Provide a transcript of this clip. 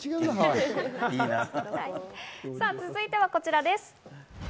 続いてはこちらです。